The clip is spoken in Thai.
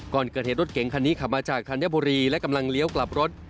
ก่อนเกิดเหตุรถเก๋งคันนี้ขับมาจากธัญบุรีและกำลังเลี้ยวกลับรถ